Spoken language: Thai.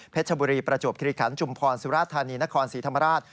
ชบุรีประจวบคิริขันจุมพรสุราธานีนครศรีธรรมราช